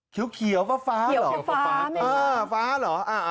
เขียวเขียวฟ้าฟ้าเหรอฟ้าเหรอ